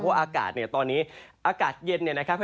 อากาศเนี่ยตอนนี้อากาศเย็นเนี่ยนะครับ